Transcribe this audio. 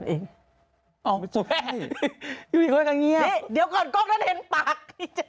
อ๋อมันสุดแพ้อยู่ดีกว่ากันเงียบเดี๋ยวก่อนกล้องนั้นเห็นปาก